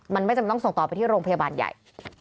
มันไม่จำเป็นต้องส่งต่อไปที่โรงพยาบาลใหญ่